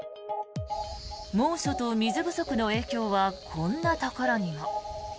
猛暑と水不足の影響はこんなところにも。